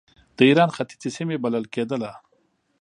د ایران ختیځې سیمې بلل کېدله.